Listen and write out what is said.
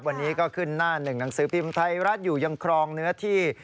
วันนี้ก็ขึ้นหน้าหนึ่งหนังสือพิมพ์ไทยรัฐอยู่ยังครองเนื้อที่